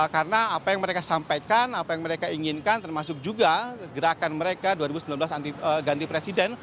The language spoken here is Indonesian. karena apa yang mereka sampaikan apa yang mereka inginkan termasuk juga gerakan mereka dua ribu sembilan belas ganti presiden